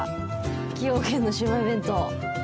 崎陽軒のシウマイ弁当。